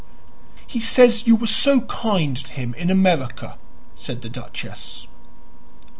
"He says you were so kind to him in America," said the duchess.